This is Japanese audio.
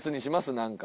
何か。